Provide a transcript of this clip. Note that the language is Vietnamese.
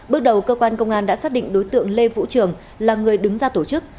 bước đầu cơ quan công an đã xác định đối tượng lê vũ trường là người đứng ra tổ chức